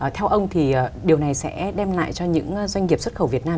theo ông thì điều này sẽ đem lại cho những doanh nghiệp xuất khẩu việt nam